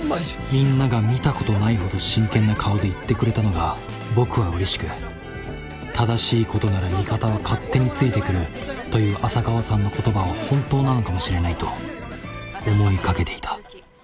みんなが見たことないほど真剣な顔で言ってくれたのが僕はうれしく正しいことなら味方は勝手についてくるという浅川さんの言葉は本当なのかもしれないと思いかけていた。